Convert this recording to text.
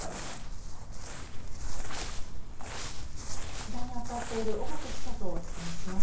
取材にあたっている尾垣記者とお伝えします。